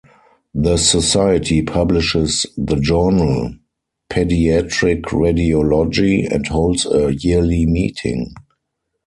The Society publishes the journal "Pediatric Radiology" and holds a yearly meeting.